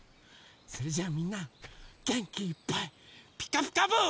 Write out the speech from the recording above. それじゃあみんなげんきいっぱい「ピカピカブ！」。